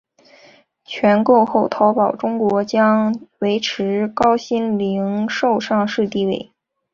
全购后淘宝中国将维持高鑫零售上市地位。